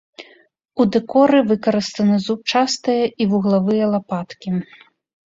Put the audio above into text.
У дэкоры выкарыстаны зубчастыя і вуглавыя лапаткі.